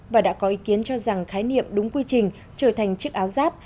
và đã có ý kiến cho rằng khái niệm đúng quy trình trở thành chiếc áo giáp